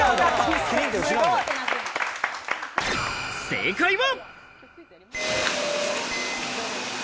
正解は。